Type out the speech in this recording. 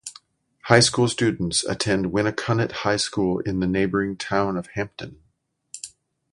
High school students attend Winnacunnet High School in the neighboring town of Hampton.